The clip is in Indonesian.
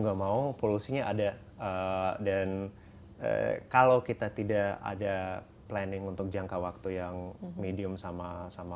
nggak mau polusinya ada dan kalau kita tidak ada planning untuk jangka waktu yang medium sama sama